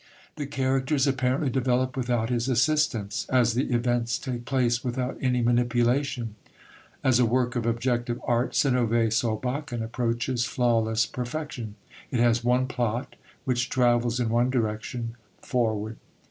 The characters apparently develop without his assistance, as the events take place without any manipulation. As a work of objective art, Synnövé Solbakken approaches flawless perfection. It has one plot, which travels in one direction forward.